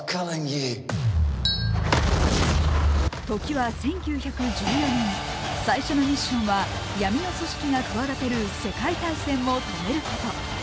時は１９１４年、最初のミッションは闇の組織が企てる世界大戦を止めること。